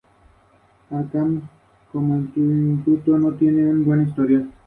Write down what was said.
En la Capital Federal, las medidas represivas sofocaron en sus comienzos al movimiento.